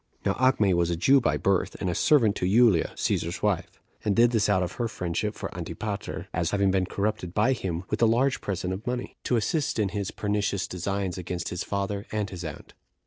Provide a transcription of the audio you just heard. Now Acme was a Jew by birth, and a servant to Julia, Cæsar's wife; and did this out of her friendship for Antipater, as having been corrupted by him with a large present of money, to assist in his pernicious designs against his father and his aunt.